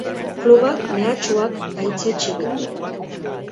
Klubak mehatxuak gaitzetsi ditu.